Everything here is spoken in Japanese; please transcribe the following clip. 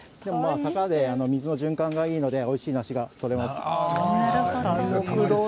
坂で水の循環がいいのでおいしい梨が取れます。